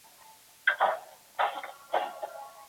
食管憩室主要影响成年人。